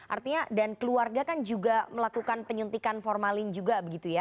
artinya dan keluarga kan juga melakukan penyuntikan formalin juga